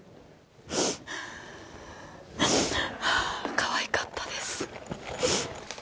かわいかったです。